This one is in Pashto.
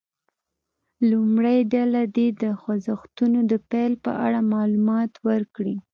لومړۍ ډله دې د خوځښتونو د پیل په اړه معلومات ورکړي.